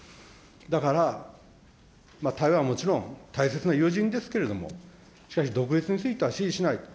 だから、台湾はもちろん、大切な友人ですけれども、しかし、独立については支持しないと。